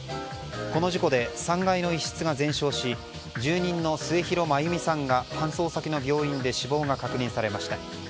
この事故で３階の一室が全焼し住人の末広真由美さんが搬送先の病院で死亡が確認されました。